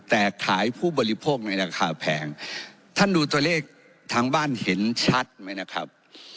แต่ขายผู้บริโภคในราคาแพงท่านดูตัวเลขทางบ้านเห็นชัดไหมนะครับ